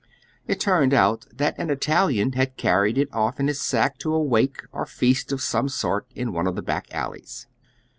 It tnrned ont that an Italian had carried it off iu his sack to a wake or feast of some sort in one of the back alleys.